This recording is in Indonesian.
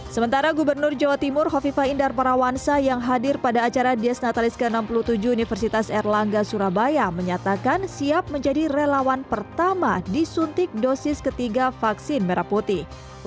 sementara gubernur jawa timur hovifah indar parawansa yang hadir pada acara dies natalis ke enam puluh tujuh universitas erlangga surabaya menyatakan siap menjadi relawan pertama disuntik dosis ketiga vaksin merah putih